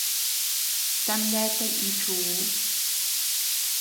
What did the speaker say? Tama neatea nichiu.